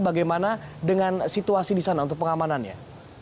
bagaimana dengan situasi di sana untuk pengamanannya